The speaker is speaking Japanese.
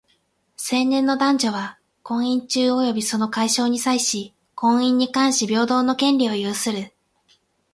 成年の男女は、婚姻中及びその解消に際し、婚姻に関し平等の権利を有する。